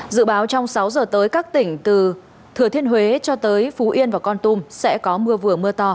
dự báo trong sáu giờ tới các tỉnh từ thừa thiên huế cho tới phú yên và con tum sẽ có mưa vừa mưa to